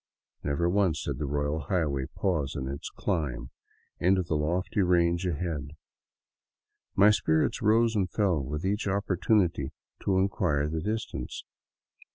Never once did the " royal highway " pause in its climb into the lofty range ahead. My spirits rose and fell with each opportunity to inquire the distance.